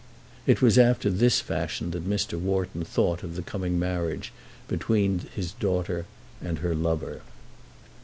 It was after this fashion that Mr. Wharton thought of the coming marriage between his daughter and her lover.